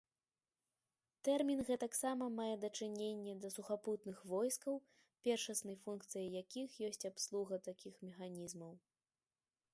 Тэрмін гэтаксама мае дачыненне да сухапутных войскаў, першаснай функцыяй якіх ёсць абслуга такіх механізмаў.